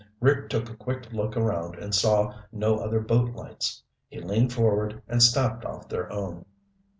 Rick took a quick look around and saw no other boat lights. He leaned forward and snapped off their own.